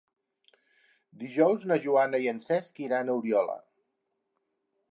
Dijous na Joana i en Cesc iran a Oriola.